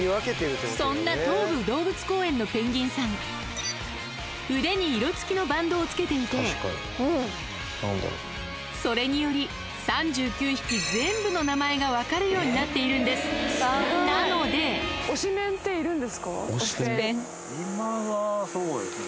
そんな東武動物公園のペンギンさん腕に色付きのバンドを着けていてそれにより３９匹全部の名前が分かるようになっているんですなので今はそうですね。